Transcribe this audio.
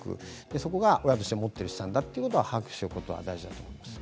そこが親として持っている資産だということを把握しておくことが大事です。